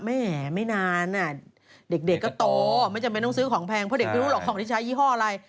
แม่ไม่นานเด็กก็โตไม่จำเป็นต้องซื้อของแพงเพราะเด็กไม่รู้หรอกของที่ใช้ยี่ห้ออะไร